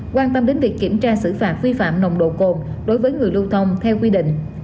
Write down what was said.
quan tâm đến việc kiểm tra xử phạt vi phạm nồng độ cồn đối với người lưu thông theo quy định